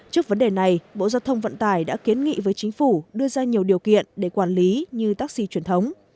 trước vấn đề này bộ giao thông vận tải đã kiến nghị với chính phủ đưa ra nhiều điều kiện để quản lý như taxi truyền thống